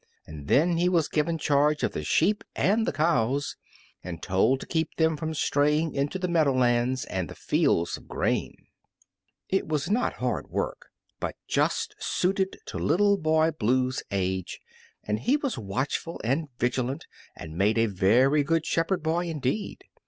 And then he was given charge of the sheep and the cows, and told to keep them from straying into the meadowlands and the fields of grain. It was not hard work, but just suited to Little Boy Blue's age, and he was watchful and vigilant and made a very good shepherd boy indeed.